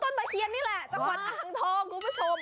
ถูต้นตะเคียนนี่ล่ะจังหวัดอ่างทองทุกผู้ชม